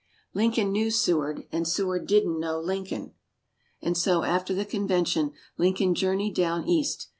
Lincoln knew Seward, and Seward didn't knew Lincoln. And so after the Convention Lincoln journeyed down East.